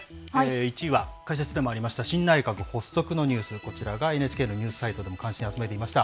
１位は解説でもありました、新内閣発足のニュース、こちらがＮＨＫのニュースサイトでも関心を集めていました。